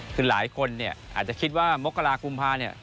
คือหลายคนอาจจะคิดว่ามกราคุมภาคม